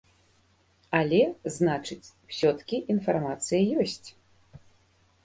Але, значыць, усё-ткі інфармацыя ёсць.